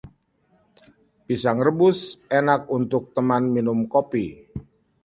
pisang rebus enak untuk teman minum kopi